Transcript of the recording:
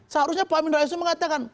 seharusnya pak amin rais itu mengatakan